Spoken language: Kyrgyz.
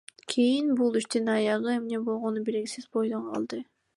Кийин бул иштин аягы эмне болгону белгисиз бойдон калды.